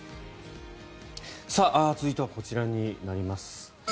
続いてはこちらになります。